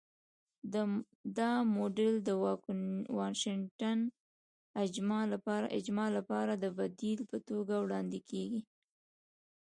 دا موډل د 'واشنګټن اجماع' لپاره د بدیل په توګه وړاندې کېږي.